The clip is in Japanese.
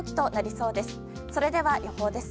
それでは、予報です。